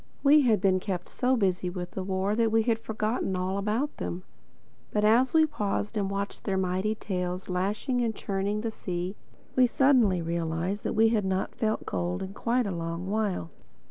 We had been kept so busy with the war that we had forgotten all about them. But as we paused and watched their mighty tails lashing and churning the sea, we suddenly realized that we had not felt cold in quite a long while.